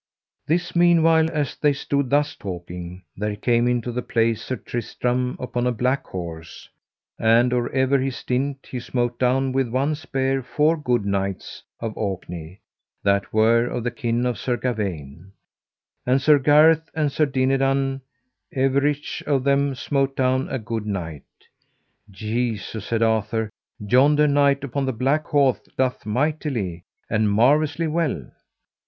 This meanwhile as they stood thus talking there came into the place Sir Tristram upon a black horse, and or ever he stint he smote down with one spear four good knights of Orkney that were of the kin of Sir Gawaine; and Sir Gareth and Sir Dinadan everych of them smote down a good knight. Jesu, said Arthur, yonder knight upon the black horse doth mightily and marvellously well.